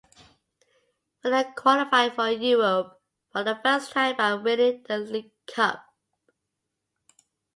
Villa qualified for Europe for the first time by winning the League Cup.